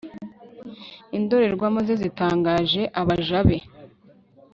Indorerwamo ze zitangaje abaja be